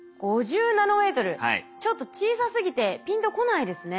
ちょっと小さすぎてピンとこないですね。